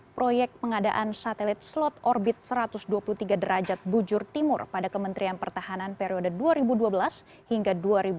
proyek pengadaan satelit slot orbit satu ratus dua puluh tiga derajat bujur timur pada kementerian pertahanan periode dua ribu dua belas hingga dua ribu dua puluh